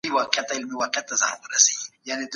لیکوالان د بې نظمیو له امله اندیښمن وو.